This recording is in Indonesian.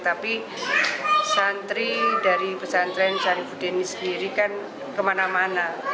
tapi santri dari pesantren saripudin sendiri kan kemana mana